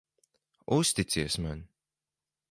Uzticies man.